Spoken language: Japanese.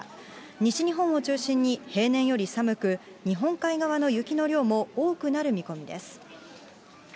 西日本を中心に平年より寒く、日本海側の雪の量も多くなる見込みです。